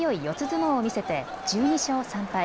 相撲を見せて１２勝３敗。